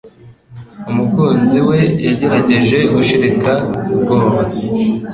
umukunzi we yagerageje gushirika ubwoba